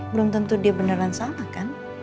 belum tentu dia beneran sama kan